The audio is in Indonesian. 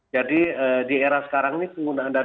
jadi di era sekarang ini penggunaan dana pos